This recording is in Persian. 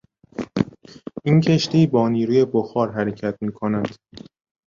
این کشتی با نیروی بخار حرکت میکند.